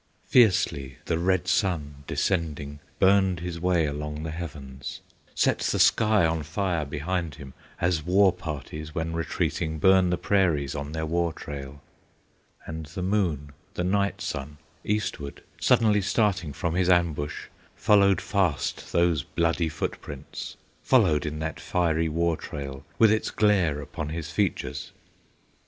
Fiercely the red sun descending Burned his way along the heavens, Set the sky on fire behind him, As war parties, when retreating, Burn the prairies on their war trail; And the moon, the Night sun, eastward, Suddenly starting from his ambush, Followed fast those bloody footprints, Followed in that fiery war trail, With its glare upon his features.